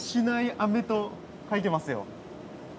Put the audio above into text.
飴と書いてますよ。